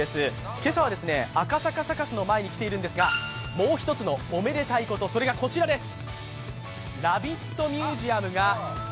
今朝は赤坂サカスの前に来ているんですが、もう一つのおめでたいことそれがこちらです。